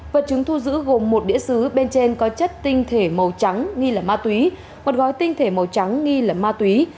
vật chứng thu giữ gồm một đĩa xứ bên trên có chất tinh thể màu trắng nghi là ma túy một gói tinh thể màu trắng nghi là ma túy